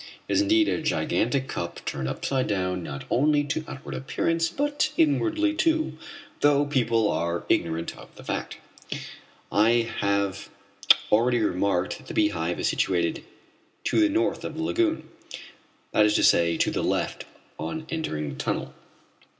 It is indeed a gigantic cup turned upside down, not only to outward appearance, but inwardly, too, though people are ignorant of the fact. I have already remarked that the Beehive is situated to the north of the lagoon, that is to say to the left on entering by the tunnel.